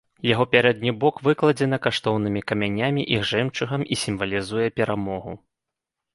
Яго пярэдні бок выкладзена каштоўнымі камянямі і жэмчугам і сімвалізуе перамогу.